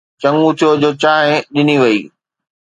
چڱو ٿيو جو چانهه ڏني وئي.